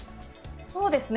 そうですね。